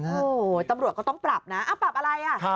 โอ้โหตำรวจก็ต้องปรับนะปรับอะไรอ่ะ